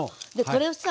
これをさ